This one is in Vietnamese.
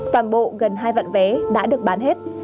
toàn bộ gần hai vạn vé đã được bán hết